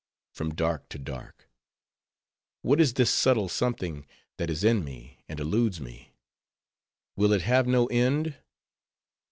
— From dark to dark!—What is this subtle something that is in me, and eludes me? Will it have no end?